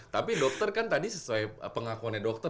tapi dokter kan tadi sesuai pengakuannya dokter